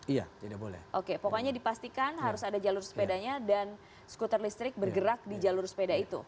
iya tidak boleh oke pokoknya dipastikan harus ada jalur sepedanya dan skuter listrik bergerak di jalur sepeda itu